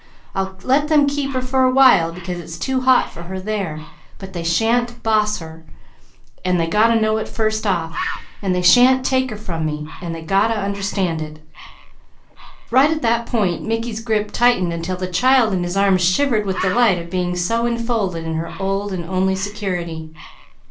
I'll let them keep her a while because it is too hot for her there, but they shan't boss her, and they got to know it first off, and they shan't take her from me, and they got to understand it." Right at that point Mickey's grip tightened until the child in his arms shivered with delight of being so enfolded in her old and only security.